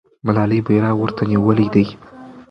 ملالۍ بیرغ ورته نیولی دی.